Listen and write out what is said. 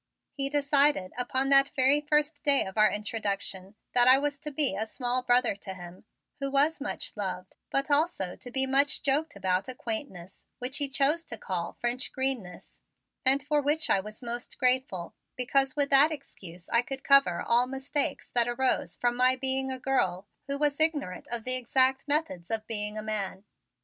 He decided, upon that very first day of our introduction, that I was to be as a small brother to him who was much loved but also to be much joked about a quaintness which he chose to call "French greenness," and for which I was most grateful because with that excuse I could cover all mistakes that arose from my being a girl who was ignorant of the exact methods of being a man.